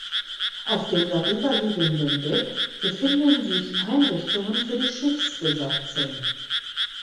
Auf dem darüber liegenden Deck befinden sich Einrichtungen für die Schiffsbesatzung.